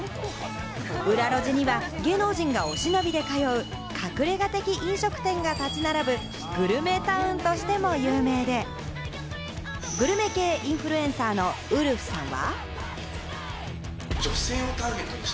裏路地には芸能人がお忍びで通う隠れ家的飲食店が立ち並ぶ、グルメタウンとしても有名で、グルメ系インフルエンサーのウルフさんは。